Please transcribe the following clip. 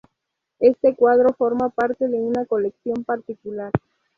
Este cuadro forma parte de una colección particular.